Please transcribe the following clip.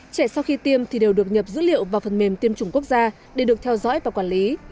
trẻ sau khi tiêm thì đều được nhập dữ liệu vào phần mềm tiêm chủng quốc gia để được theo dõi và quản lý